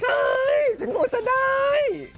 ใช่ช่างมูลจะได้